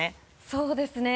そうですね。